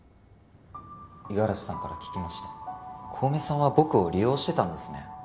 五十嵐さんから聞きました小梅さんは僕を利用してたんですね。